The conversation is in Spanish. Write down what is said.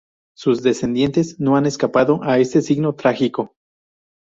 Sus descendientes no han escapado a este signo trágico.